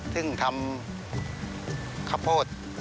ซึ่งทำข้าวโพด